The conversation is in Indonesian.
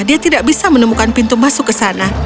dia tidak bisa menemukan pintu masuk ke sana